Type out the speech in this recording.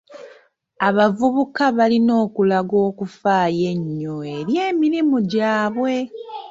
Abavubuka balina okulaga okufaayo ennyo eri emirimu gyabwe.